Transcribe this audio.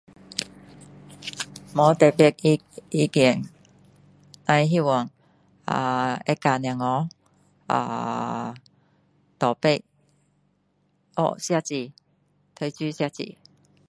没特别的意见那希望会教小孩呃多懂学写字读书写字